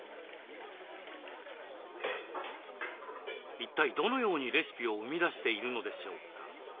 一体どのようにレシピを生み出しているのでしょうか？